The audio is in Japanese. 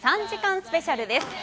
３時間スペシャルです。